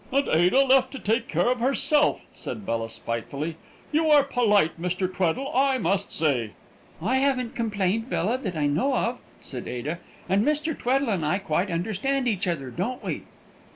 "And Ada left to take care of herself!" said Bella, spitefully. "You are polite, Mr. Tweddle, I must say!" "I haven't complained, Bella, that I know of," said Ada. "And Mr. Tweddle and I quite understand each other, don't we?"